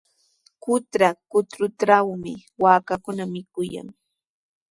Qutra kutruntrawmi waakakuna mikuykan.